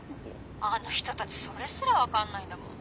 あの人たちそれすら分かんないんだもん。